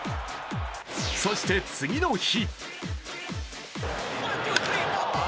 そして、次の日。